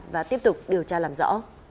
và tiếp tục điều tra làm rõ